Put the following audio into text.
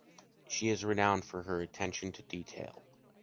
She is renowned for her attention to detail.